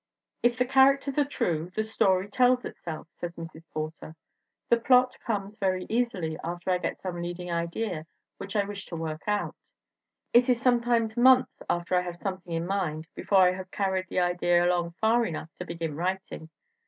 ..." "If the characters are true, the story tells itself," says Mrs. Porter. "The plot comes very easily after I get some leading idea which I wish to work out. It is sometimes months after I have something in mind before I have carried the idea along far enough to begin writing.